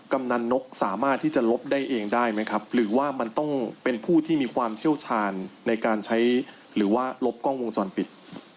กำนันนกสามารถที่จะลบได้เองได้ไหมครับหรือว่ามันต้องเป็นผู้ที่มีความเชี่ยวชาญในการใช้หรือว่าลบกล้องวงจรปิด